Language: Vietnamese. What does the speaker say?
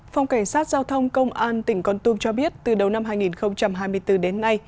phòng cảnh sát giao thông công an tỉnh con tum cho biết từ đầu năm hai nghìn hai mươi bốn đến nay